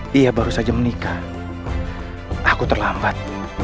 dia baru saja menikah aku terlambat